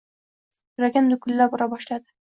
Yuragim dukillab ura boshladi